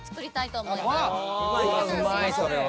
ああうまいそれは。